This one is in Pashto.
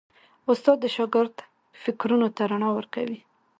استاد د شاګرد فکرونو ته رڼا ورکوي.